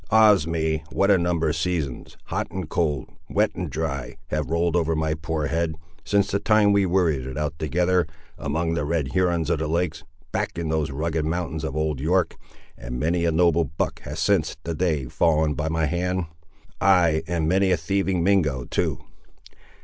Ah's me! what a number of seasons, hot and cold, wet and dry, have rolled over my poor head, since the time we worried it out together, among the Red Hurons of the Lakes, back in those rugged mountains of Old York! and many a noble buck has since that day fallen by my hand; ay, and many a thieving Mingo, too!